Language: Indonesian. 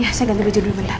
ya saya ganti baju dulu bentar